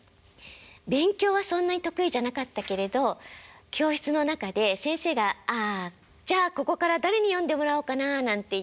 勉強はそんなに得意じゃなかったけれど教室の中で先生が「じゃここから誰に読んでもらおうかな」なんて言って教科書音読するでしょ？